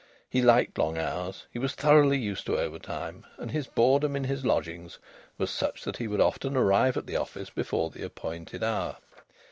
He liked long hours; he was thoroughly used to overtime, and his boredom in his lodgings was such that he would often arrive at the office before the appointed hour.